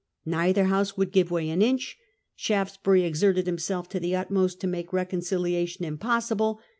Lords. Neither House would give way an inch. Shaftesbury exerted himself to the utmost to make re conciliation impossible.